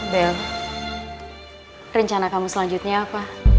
bel rencana kamu selanjutnya apa